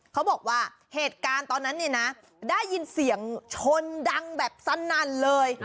เขาบอกว่าเหตุการณ์ตอนนั้นเนี่ยนะได้ยินเสียงชนดังแบบสนั่นเลย